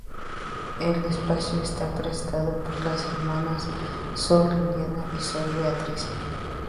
El espacio está presentado por las hermanas Sor Liliana y Sor Beatriz.